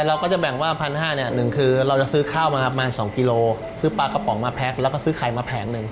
แล้วก็ซื้อไข่มาแผงหนึ่ง